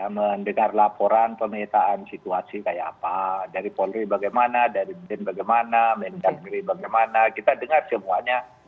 mendengar laporan pemetaan situasi kayak apa dari polri bagaimana dari bin bagaimana mendagri bagaimana kita dengar semuanya